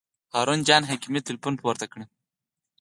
هارون جان حکیمي تیلفون پورته کړ.